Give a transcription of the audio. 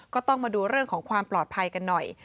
ก็ต้องมาดูเรื่องของความปลอดภัยกันหน่อย